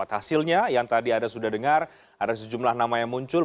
hasilnya yang tadi anda sudah dengar ada sejumlah nama yang muncul